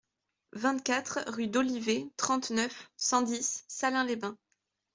vingt-quatre rue d'Olivet, trente-neuf, cent dix, Salins-les-Bains